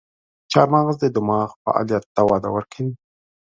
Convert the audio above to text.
چارمغز د دماغ فعالیت ته وده ورکوي.